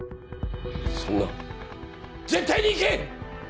そんなん絶対にいけん！